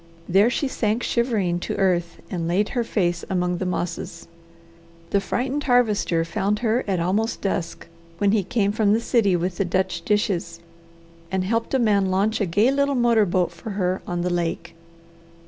There she sank shivering to earth, and laid her face among the mosses. The frightened Harvester found her at almost dusk when he came from the city with the Dutch dishes, and helped a man launch a gay little motor boat for her on the lake.